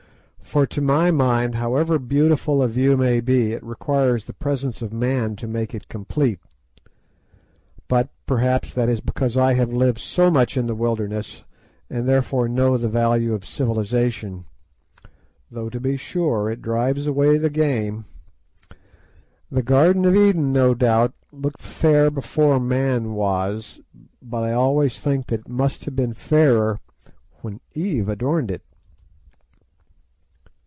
For to my mind, however beautiful a view may be, it requires the presence of man to make it complete, but perhaps that is because I have lived so much in the wilderness, and therefore know the value of civilisation, though to be sure it drives away the game. The Garden of Eden, no doubt, looked fair before man was, but I always think that it must have been fairer when Eve adorned it.